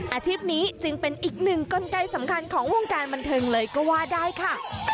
อาชีพนี้จึงเป็นอีกหนึ่งกลไกสำคัญของวงการบันเทิงเลยก็ว่าได้ค่ะ